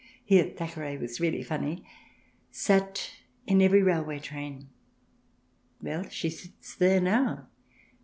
Here Thackeray was really funny) sat in every railway train. Well, she sits there now.